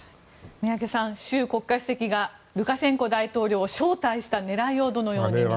宮家さん、習国家主席がルカシェンコ大統領を招待した狙いをどのように見ますか？